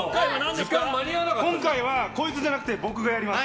今回はこいつじゃなくて僕がやります。